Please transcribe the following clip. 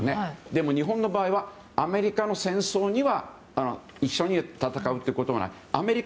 でも日本の場合はアメリカの戦争には一緒に戦うということは。